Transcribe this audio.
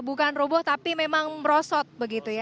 bukan roboh tapi memang merosot begitu ya